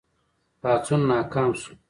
پاڅون ناکام شو.